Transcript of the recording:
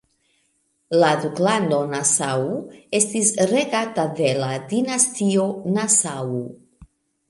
La duklando Nassau estis regata de la dinastio Nassau.